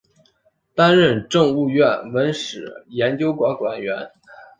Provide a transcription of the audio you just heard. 担任政务院文史研究馆馆员。